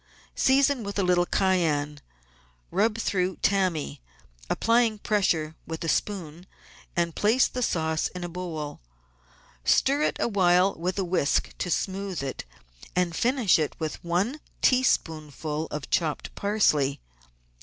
Season with a little cayenne ; rub through tammy, applying pressure with a spoon, and put the sauce in a bowl. Stir it awhile with a whisk to smooth it, and finish with one teaspoonful of chopped parsley.